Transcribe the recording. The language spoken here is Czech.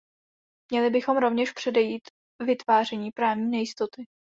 Měli bychom rovněž předejít vytváření právní nejistoty.